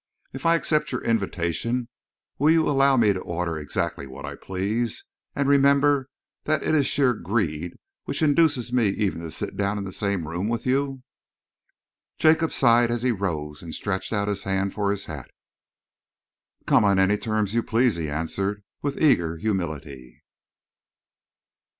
If I accept your invitation, will you allow me to order exactly what I please, and remember that it is sheer greed which induces me even to sit down in the same room with you?" Jacob sighed as he rose and stretched out his hand for his hat. "Come on any terms you please," he answered, with eager humility.